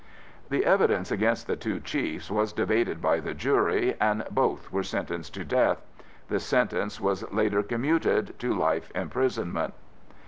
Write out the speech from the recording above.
The evidence against the two Chiefs was debated by the jury and both were sentenced to death. This sentence was later commuted to life imprisonment.